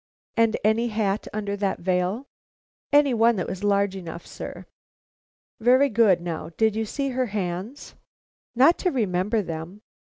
"And any hat under that veil?" "Any one that was large enough, sir." "Very good. Now, did you see her hands?" "Not to remember them."